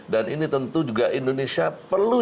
dan ini tentu juga indonesia perlu